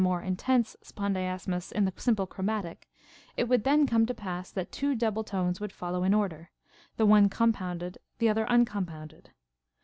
more intense spondiasmus in the simple chromatic, it would then come to pass, that two double tones would follow in order, the one compounded, the other uncompounded.